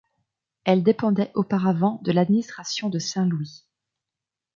Elle dépendait auparavant de l'administration de Saint-Louis.